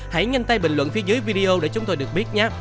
hãy nhanh tay bình luận phía dưới video để chúng tôi được biết nhắc